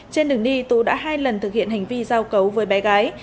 trên đường đi tú đã hai lần thực hiện hành vi giao cấu với bé gái